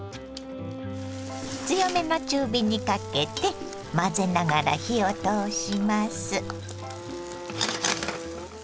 強めの中火にかけて混ぜながら火を通します。